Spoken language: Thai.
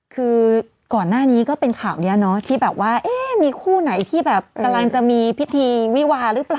คือก่อนหน้านี้ก็เป็นข่าวนี้เนาะที่แบบว่ามีคู่ไหนที่แบบกำลังจะมีพิธีวิวาหรือเปล่า